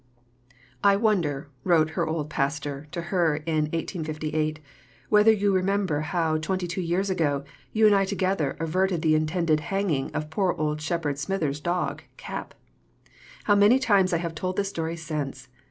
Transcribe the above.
"I wonder," wrote her "old Pastor" to her in 1858, "whether you remember how, twenty two years ago, you and I together averted the intended hanging of poor old Shepherd Smithers's dog, Cap. How many times I have told the story since!